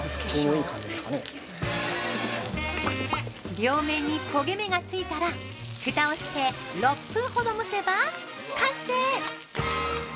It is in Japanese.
◆両面に焦げ目がついたらフタをして６分ほど蒸せば完成！